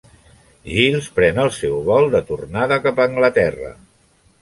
Giles pren el seu vol de tornada cap a Anglaterra.